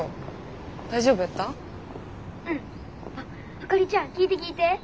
あかりちゃん聞いて聞いて。